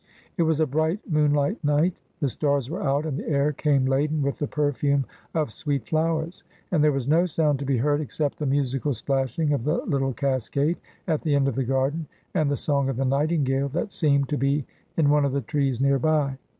It was a bright moonlight night, the stars were out, and the air came laden with the perfume of sweet flow ers, and there was no sound to be heard except the musical splashing of the little cascade at the end of the garden, and the song of the nightingale, that seemed to be in one of the trees near by.